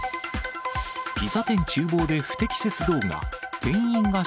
ピザ店ちゅう房で不適切動画。